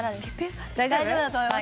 大丈夫だと思います。